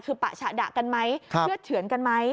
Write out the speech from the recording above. คือปะฉะดะกันไหมเลือดเฉือนกันไหม